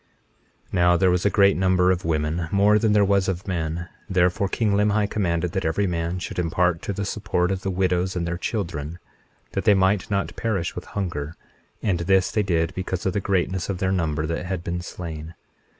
21:17 Now there was a great number of women, more than there was of men; therefore king Limhi commanded that every man should impart to the support of the widows and their children, that they might not perish with hunger; and this they did because of the greatness of their number that had been slain.